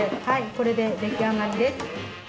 これでできあがりです。